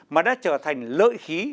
mà đã trở thành lợi khí